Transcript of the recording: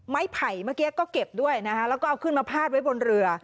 ไผ่เมื่อกี้ก็เก็บด้วยนะคะแล้วก็เอาขึ้นมาพาดไว้บนเรือ